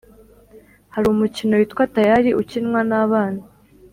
Hari umukino witwa Tayari ukinwa n’abana